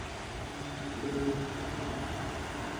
মুক্তির আগেই বছরের অন্যতম আলোচিত ছবি হিসেবে বিবেচিত হচ্ছে ব্যাং ব্যাং।